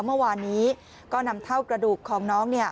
เมื่อวานนี้ก็นำเท่ากระดูกของน้อง